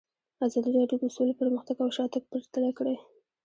ازادي راډیو د سوله پرمختګ او شاتګ پرتله کړی.